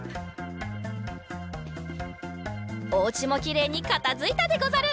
おうちもきれいにかたづいたでござる。